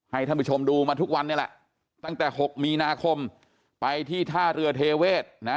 ท่านผู้ชมดูมาทุกวันนี้แหละตั้งแต่หกมีนาคมไปที่ท่าเรือเทเวศนะ